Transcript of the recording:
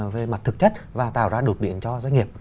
về mặt thực chất và tạo ra đột biển cho doanh nghiệp